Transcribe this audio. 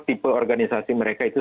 tipe organisasi mereka itu